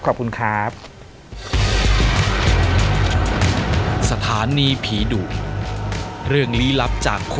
ขอบคุณครับ